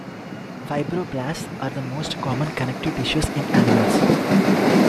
Fibroblasts are the most common connective tissues in animals.